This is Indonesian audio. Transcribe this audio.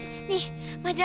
f beneficius bayi maka